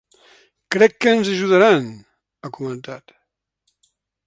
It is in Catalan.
“Crec que ens ajudaran”, ha comentat.